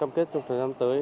căm kết trong thời gian tới